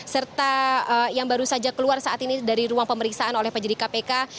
serta yang baru saja keluar saat ini dari ruang pemeriksaan oleh pak jadika pk